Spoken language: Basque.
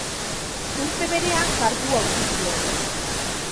Urte berean kargua utzi zuen.